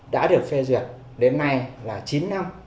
đã được phê duyệt đến nay là chín năm